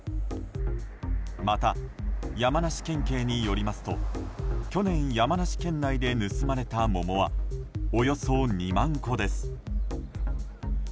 また、山梨県警によりますと去年、山梨県内で盗まれた桃はおよそ２万個です。